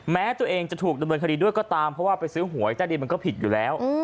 แม้ตัวเองจะถูกดำเนินคดีด้วยก็ตามเพราะว่าไปซื้อหวยใต้ดินมันก็ผิดอยู่แล้ว